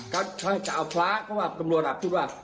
เขาจะเอาพระเพราะว่าตำรวจอับสุดว่า